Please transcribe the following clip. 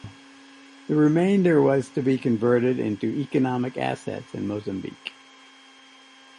The remainder was to be converted into economic assets in Mozambique.